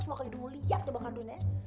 semoga idu lu liat coba kandun ya